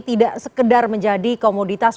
tidak sekedar menjadi komoditas